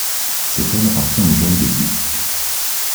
Cet homme appartient au genre des Ducs.